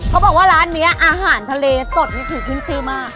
เขาบอกว่าร้านนี้อาหารทะเลสดนี่คือขึ้นชื่อมาก